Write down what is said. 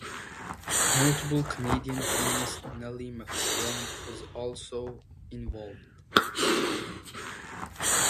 Notable Canadian feminist Nellie McClung was also involved.